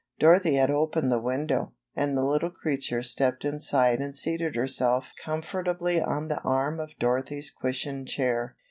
Dorothy had opened the window, and the little creature stepped inside and seated her self comfortably on the arm of Dorothy^s cushioned chair.